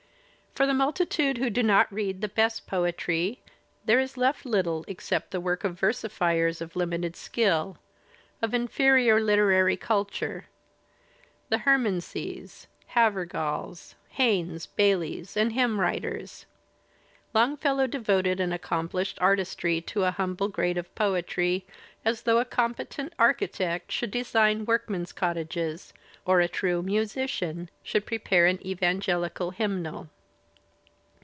For the multitude; who do not read the best poetry there is left little except the work of versifiers of limited skill, of inferior literary culture, the Hemanses, |Havergals, Haines Baileys and hymn writers. Longfellow j devoted an accomplished artistry to a humble grade of poetry, as though a competent architect should design workmen's cottages or a true musician should prepare an evangelical hymnal.